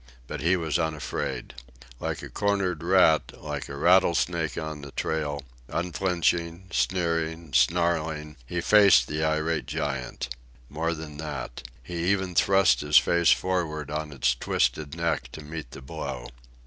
But he was unafraid. Like a cornered rat, like a rattlesnake on the trail, unflinching, sneering, snarling, he faced the irate giant. More than that. He even thrust his face forward on its twisted neck to meet the blow.